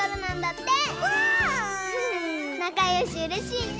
なかよしうれしいね！